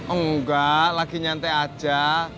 enggak lagi nyantai aja